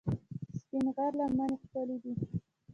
سپین غر لمنې ښکلې دي؟